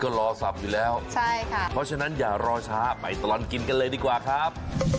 ก็รอสับอยู่แล้วใช่ค่ะเพราะฉะนั้นอย่ารอช้าไปตลอดกินกันเลยดีกว่าครับ